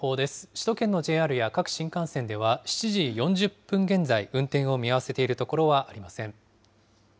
首都圏のＪＲや各新幹線では、７時４０分現在、運転を見合わせているところはありません。